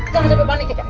jangan sampai panik